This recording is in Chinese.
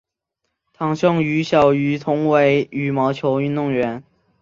堂兄于小渝同为羽毛球运动员。